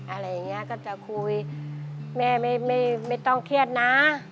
อะไรอย่างนี้ก็จะคุยแม่ไม่ต้องเครียดนะ